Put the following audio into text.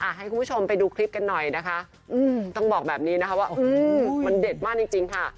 ให้คุณผู้ชมไปดูคลิปกันหน่อยนะคะต้องบอกแบบนี้นะคะว่ามันเด็ดมากจริงค่ะ